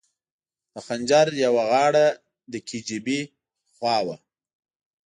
د خنجر یوه غاړه د کي جي بي خوا وه.